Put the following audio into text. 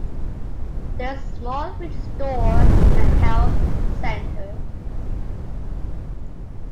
There is a small village store and a health centre.